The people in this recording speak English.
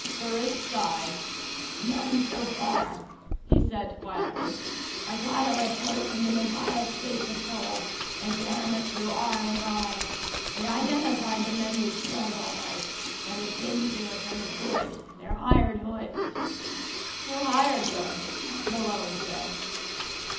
Burris sighed. "None so far," he said quietly. "I got a report from the Nevada State Patrol, and ran it through R&I. They identified the men you killed, all right but it didn't do us any good. They're hired hoods." "Who hired them?" Malone said.